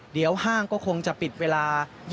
เดี๋ยวห้างก็คงจะปิดเวลา